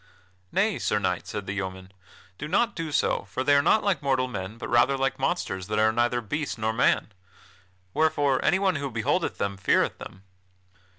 "Nay, Sir Knight," said the yeoman, "do not do so, for they are not like mortal men, but rather like monsters that are neither beast nor man. Wherefore anyone who beholdeth them, feareth them."